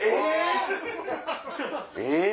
えっ！